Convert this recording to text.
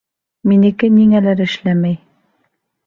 Минеке ниңәлер эшләмәй.